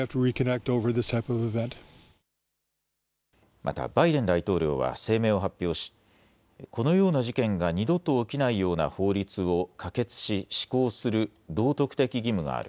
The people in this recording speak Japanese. また、バイデン大統領は声明を発表しこのような事件が二度と起きないような法律を可決し施行する道徳的義務がある。